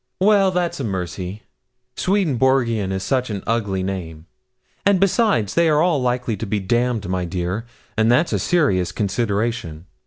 'Well, that's a mercy; Swedenborgian is such an ugly name, and besides, they are all likely to be damned, my dear, and that's a serious consideration.